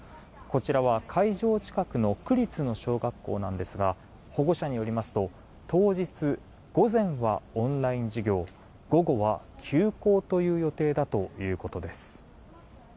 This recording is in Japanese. こちらは、会場近くの区立の小学校なんですが保護者によりますと当日午前はオンライン授業午後は休校という予定だということです。